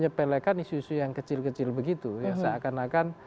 ya kita tidak bisa menyepelekan isu isu yang kecil kecil begitu ya seakan akan